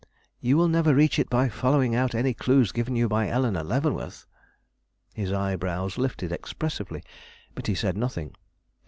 "You will never reach it by following out any clue given you by Eleanore Leavenworth." His eyebrows lifted expressively, but he said nothing.